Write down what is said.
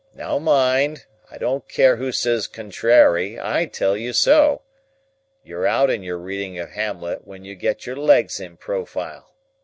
Now mind! I don't care who says contrairy; I tell you so. You're out in your reading of Hamlet when you get your legs in profile.